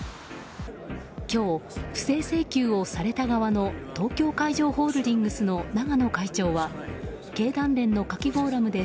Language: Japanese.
今日、不正請求をされた側の東京海上ホールディングスの永野会長は経団連の夏季フォーラムで